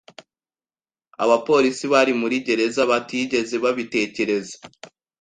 Abapolisi bari muri gereza batigeze babitekereza